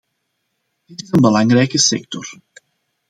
Dit is een belangrijke sector.